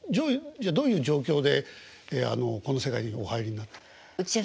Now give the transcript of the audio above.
どういう状況でこの世界にお入りになったんですか？